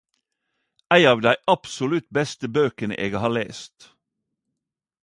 Ei av dei absolutt beste bøkene eg har lest.